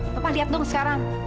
bapak lihat dong sekarang